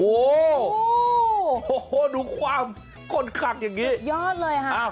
โอ้โหดูความกดขักอย่างนี้ยอดเลยค่ะ